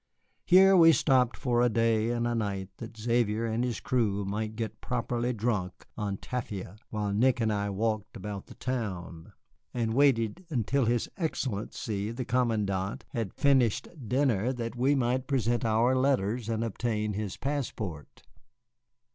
Here we stopped for a day and a night that Xavier and his crew might get properly drunk on tafia, while Nick and I walked about the town and waited until his Excellency, the commandant, had finished dinner that we might present our letters and obtain his passport.